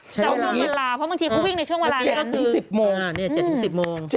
จำช่วงเวลาเพราะบางทีเขาวิ่งในช่วงเวลานี้ก็คือ